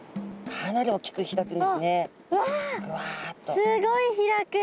すごい開く。